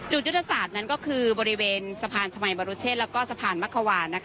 ยุทธศาสตร์นั้นก็คือบริเวณสะพานชมัยบรุเชษแล้วก็สะพานมะขวาน